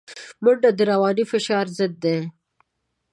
منډه د رواني فشار ضد ده